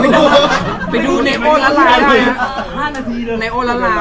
มีครับมีครับหลายต้นอยู่